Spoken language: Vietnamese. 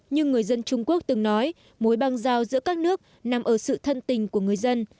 nhưng người dân trung quốc từng nói mối băng giao giữa các nước nằm ở sự thân tình của người dân